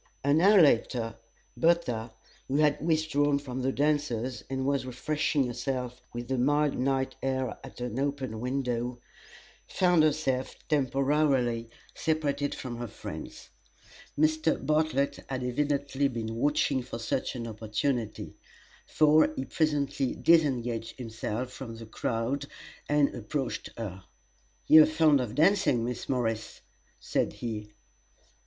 An hour later Bertha, who had withdrawn from the dancers and was refreshing herself with the mild night air at an open window, found herself temporarily separated from her friends. Mr. Bartlett had evidently been watching for such an opportunity, for he presently disengaged himself from the crowd and approached her. "You are fond of dancing, Miss Morris?" said he.